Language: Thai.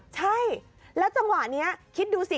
ใช่แล้วจังหวะนี้คิดดูสิ